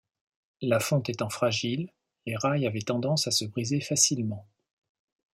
La fonte étant fragile, les rails avaient tendance à se briser facilement.